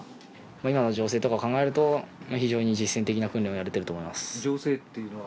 今の情勢とか考えると非常に実践的な訓練がやれていると思いま情勢というのは？